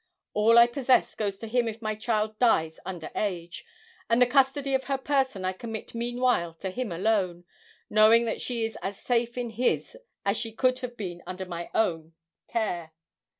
All I possess goes to him if my child dies under age; and the custody of her person I commit meanwhile to him alone, knowing that she is as safe in his as she could have been under my own care.